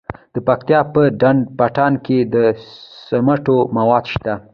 د پکتیا په ډنډ پټان کې د سمنټو مواد شته.